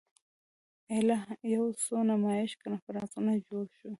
ایله یو څو نمایشي کنفرانسونه جوړ شوي.